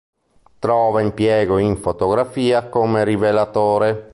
Trova impiego in fotografia come rivelatore.